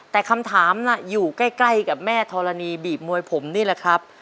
แต่คำถามน่ะอยู่ใกล้กับแม่ธรณีบีบมวยผมนี่แหละครับ